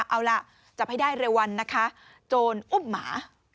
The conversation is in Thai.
เอาล่ะจับให้ได้เร็ววันนะคะโจรอุ้มหมา